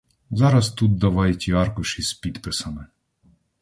Зараз тут давай ті аркуші з підписами!